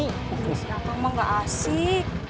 siapa mau gak asik